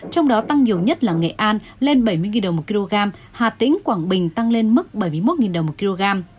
trong đó tăng nhiều nhất là nghệ an lên bảy mươi đồng một kg hà tĩnh quảng bình tăng lên mức bảy mươi một đồng một kg